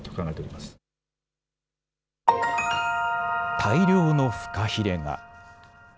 大量のフカヒレが。